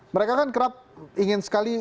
mereka kan kerap ingin sekali